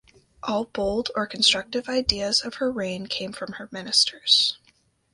All bold or constructive ideas of her reign came from her ministers.